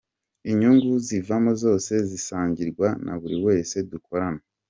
Inyungu zivamo zose zisangirwa na buri wese dukorana”.